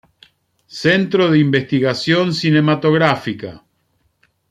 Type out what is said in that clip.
Centro de Investigación Cinematográfica.